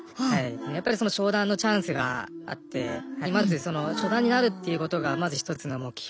やっぱり昇段のチャンスがあってまず初段になるっていうことがまず一つの目標。